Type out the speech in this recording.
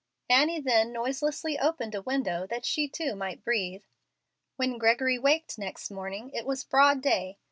Annie then noiselessly opened a window, that she too might breathe. When Gregory waked next morning, it was broad day.